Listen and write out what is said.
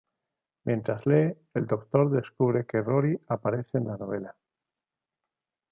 Mientras lee, el Doctor descubre que Rory aparece en la novela.